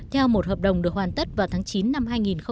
theo một hợp đồng được hoàn tất vào tháng chín năm hai nghìn một mươi bảy